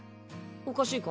おかしいか？